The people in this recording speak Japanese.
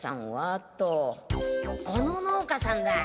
この農家さんだ。